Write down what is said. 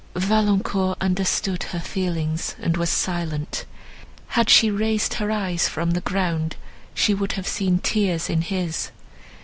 Valancourt understood her feelings, and was silent; had she raised her eyes from the ground she would have seen tears in his.